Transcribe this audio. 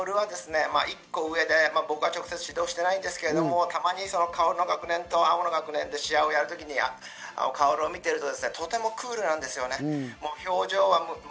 薫は１個上で僕は直接指導していないんですが、たまに薫の学年と碧の学年で試合をやるときに薫を見ているとクールなんです。